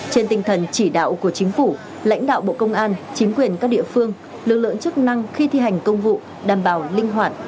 trên tinh thần chỉ đạo của chính phủ lãnh đạo bộ công an chính quyền các địa phương lực lượng chức năng khi thi hành công vụ đảm bảo linh hoạt